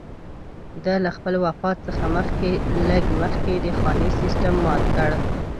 ده له خپل وفات څخه لږ مخکې د خاني سېسټم مات کړ.